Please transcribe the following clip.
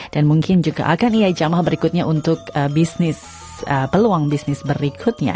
dan mungkin juga akan ia jamah berikutnya untuk peluang bisnis berikutnya